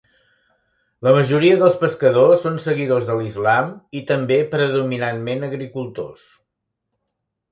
La majoria dels pescadors són seguidors de l'Islam i també predominantment agricultors.